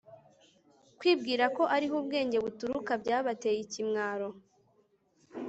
kwibwira ko ari ho ubwenge buturuka byabateye ikimwaro